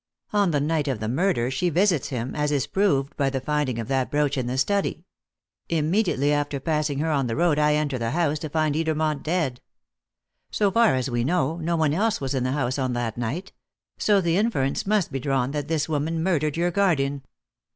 On the night of the murder she visits him, as is proved by the finding of that brooch in the study. Immediately after passing her on the road I enter the house, to find Edermont dead. So far as we know, no one else was in the house on that night; so the inference must be drawn that this woman murdered your guardian.